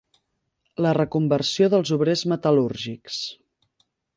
La reconversió dels obrers metal·lúrgics.